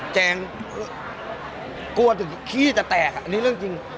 แจงกลัวถึงขี้จะแตกอันนี้เรื่องจริง